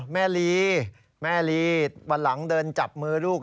แม่ลีแม่ลีวันหลังเดินจับมือลูก